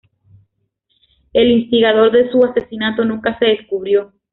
El instigador de su asesinato nunca se descubrió.